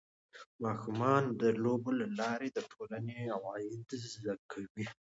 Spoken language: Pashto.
ماشومان د لوبو له لارې د ټولنې قواعد زده کوي.